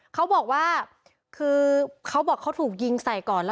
เค้าบอกว่าคือเค้าบอกเค้าถูกยิงใส่ก่อนแล้ว